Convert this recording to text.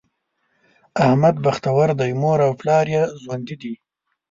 احمد بختور دی؛ مور او پلار یې ژوندي دي.